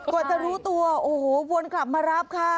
กว่าจะรู้ตัวโอ้โหวนกลับมารับค่ะ